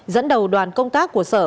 dẫn đầu đoàn công tác của sở